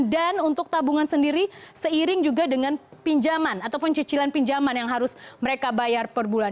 dan untuk tabungan sendiri seiring juga dengan pinjaman ataupun cicilan pinjaman yang harus mereka bayar per bulan